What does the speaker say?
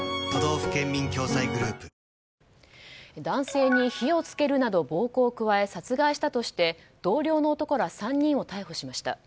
男性に火を付けるなど暴行を加え殺害したとして、同僚の男ら３人を逮捕しました。